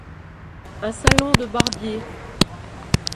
Un salon de barbier.